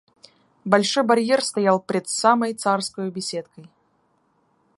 Большой барьер стоял пред самой царскою беседкой.